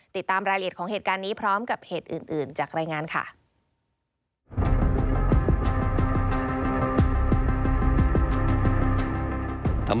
ติดตามรายละเอียดของเหตุการณ์นี้พร้อมกับเหตุอื่นจากรายงานค่ะ